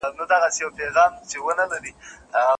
ستون یې کړم له لاري که رویبار مي در لېږل ښه دي